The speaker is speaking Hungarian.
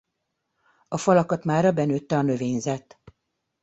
A falakat mára benőtte a növényzet.